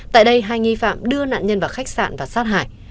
tại đây hai nghi phạm đưa nạn nhân vào khách sạn và sát hải